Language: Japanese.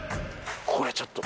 これちょっと。